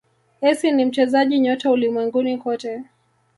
essi ni mchezaji nyota ulimwenguni kote